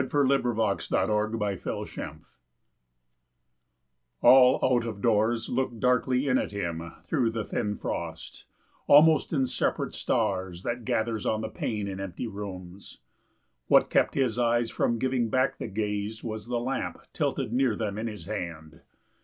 AN OLD MAN'S WINTER NIGHT All out of doors looked darkly in at him Through the thin frost, almost in separate stars, That gathers on the pane in empty rooms. What kept his eyes from giving back the gaze Was the lamp tilted near them in his hand.